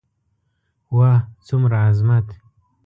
واه څومره عظمت.